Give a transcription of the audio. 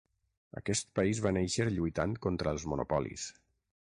Aquest país va néixer lluitant contra els monopolis.